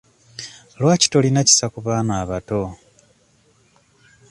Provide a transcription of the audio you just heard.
Lwaki tolina kisa ku baana abato?